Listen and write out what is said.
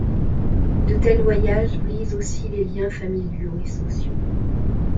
De tels voyages brisent aussi les liens familiaux et sociaux.